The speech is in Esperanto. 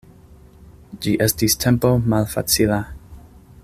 Ĝi estis tempo malfacila.